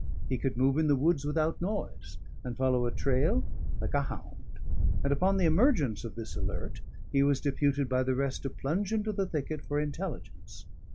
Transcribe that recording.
He could move in the woods without noise, and follow a trail like a hound; and upon the emergence of this alert, he was deputed by the rest to plunge into the thicket for intelligence.